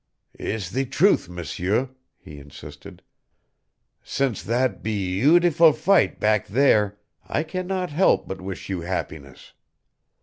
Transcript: "It's the truth, M'seur," he insisted. "Since that bee utiful fight back there I can not help but wish you happiness.